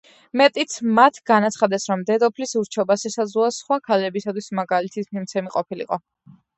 მეტიც, მათ განაცხადეს, რომ დედოფლის ურჩობა შესაძლოა სხვა ქალებისათვის მაგალითის მიმცემი ყოფილიყო.